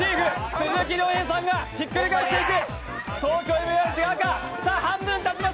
鈴木亮平さんがひっくり返していく。